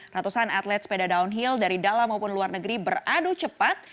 ratusan atlet sepeda downhill dari dalam maupun luar negeri beradu cepat